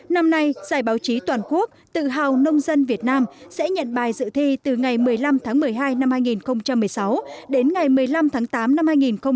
năm nay giải báo chí toàn quốc tự hào nông dân việt nam sẽ nhận bài dự thi từ ngày một mươi năm tháng một mươi hai năm hai nghìn một mươi sáu đến ngày một mươi năm tháng tám năm hai nghìn một mươi chín